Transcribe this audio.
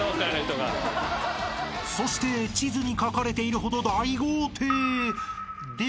［そして地図に描かれているほど大豪邸ではない］